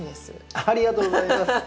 ありがとうございます。